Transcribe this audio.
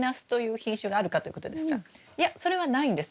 いやそれはないんです。